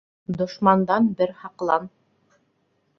Дошмандан бер һаҡлан